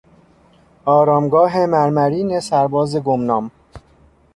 آرامگاه مرمرین سرباز گمنام